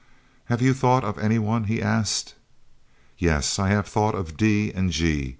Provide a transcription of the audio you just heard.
"Have you thought of any one?" he asked. "Yes, I have thought of D. and G.